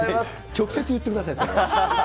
直接言ってください、それ。